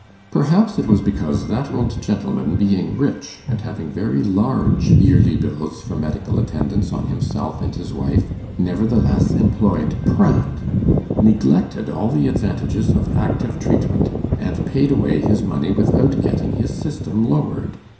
Perhaps it was because that old gentleman, being rich, and having very large yearly bills for medical attendance on himself and his wife, nevertheless employed Pratt neglected all the advantages of 'active treatment', and paid away his money without getting his system lowered.